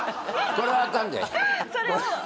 これはあかんで。